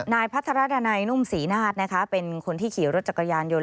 นายพัทรดานัยนุ่มศรีนาฏนะคะเป็นคนที่ขี่รถจักรยานยนต